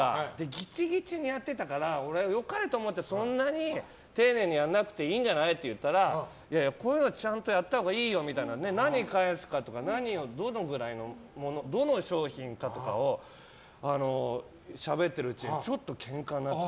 ギチギチにやってたから俺、良かれと思ってそんなに丁寧にやらなくていいんじゃない？って言ったらこういうのちゃんとやったほうがいいよって何返すかとか、どの商品かとかをしゃべってるうちにちょっとケンカになって。